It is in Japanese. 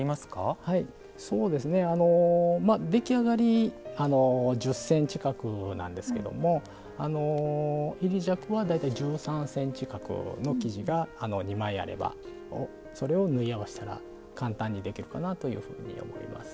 そうですねあの出来上がり１０センチ角なんですけども大体１３センチ角の生地が２枚あればそれを縫い合わせたら簡単にできるかなというふうに思います。